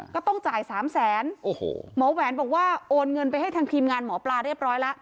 ก็ต้องจ่ายสามแสนโอ้โหหมอแหวนบอกว่าโอนเงินไปให้ทางทีมงานหมอปลาเรียบร้อยแล้ว